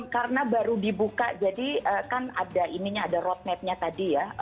karena baru dibuka jadi kan ada roadmapnya tadi ya